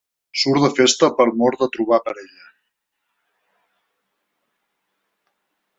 Surt de festa per mor de trobar parella.